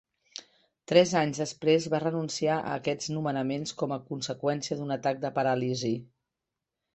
Tres anys després va renunciar a aquests nomenaments com a conseqüència d'un atac de paràlisi.